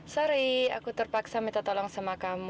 sorry aku terpaksa minta tolong sama kamu